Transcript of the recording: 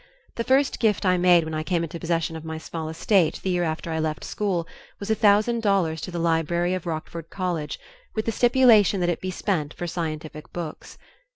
The first gift I made when I came into possession of my small estate the year after I left school, was a thousand dollars to the library of Rockford College, with the stipulation that it be spent for scientific books.